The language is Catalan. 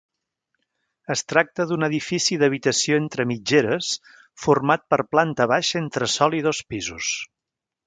Es tracta d'un edifici d'habitació entre mitgeres format per planta baixa, entresòl i dos pisos.